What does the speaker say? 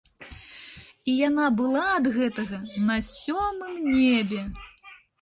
І яна была ад гэтага на сёмым небе.